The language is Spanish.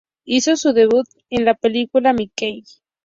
Hizo su debut en la película "Mikey".